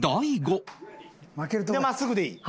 真っすぐでいい？